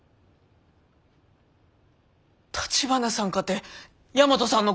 橘さんかて大和さんのこと。